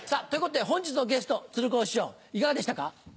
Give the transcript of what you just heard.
ということで本日のゲスト鶴光師匠いかがでしたか？